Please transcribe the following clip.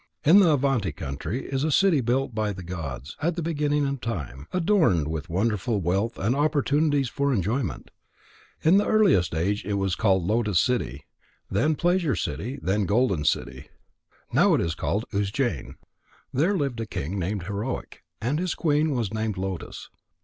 In the Avanti country is a city built by the gods at the beginning of time, adorned with wonderful wealth and opportunities for enjoyment. In the earliest age it was called Lotus City, then Pleasure City, then Golden City, and now it is called Ujjain. There lived a king named Heroic. And his queen was named Lotus.